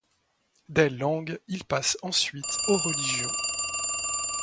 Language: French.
Des langues, il passe ensuite aux religions.